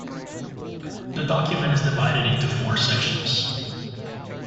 The document is divided into four sections.